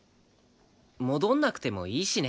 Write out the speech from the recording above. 戻んなくてもいいしね。